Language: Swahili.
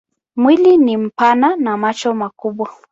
Mwili ni mpana na macho makubwa.